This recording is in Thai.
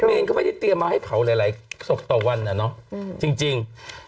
เมนก็ไม่ได้เตรียมมาให้เผาหลายศพต่อวันเนี่ยเนอะจริง